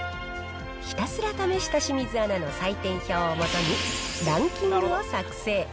ひたすら試した清水アナの採点表を基に、ランキングを作成。